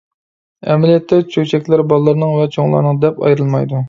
ئەمەلىيەتتە چۆچەكلەر بالىلارنىڭ ۋە چوڭلارنىڭ دەپ ئايرىلمايدۇ.